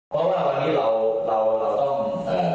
เพราะว่าวันนี้เราต้องพบเด็กคน